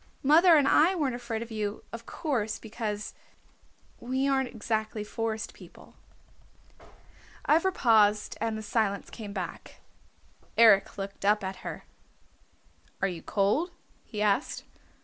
Mother and I weren't afraid of you, of course, because, we aren't exactly Forest People." Ivra paused and the silence came back. Eric looked up at her. "Are you cold?" he asked.